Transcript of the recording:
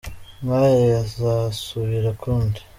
nk’aya yazasubira ukundi.